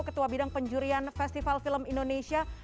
ketua bidang penjurian festival film indonesia